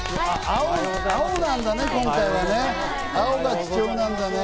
青なんだね、今回はね。